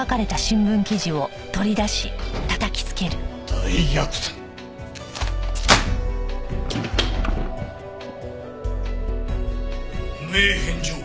大逆転！汚名返上！